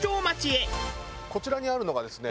こちらにあるのがですね